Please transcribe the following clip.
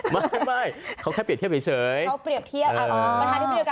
ไม่เขาแค่เปรียบเทียบเฉย